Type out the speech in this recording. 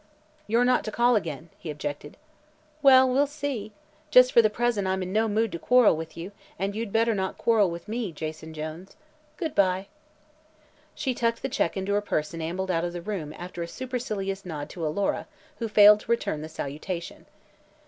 "You're not to call again!" he objected. "Well, we'll see. Just for the present I'm in no mood to quarrel with you, and you'd better not quarrel with me, Jason Jones. Good bye." She tucked the check into her purse and ambled out of the room after a supercilious nod to Alora, who failed to return the salutation.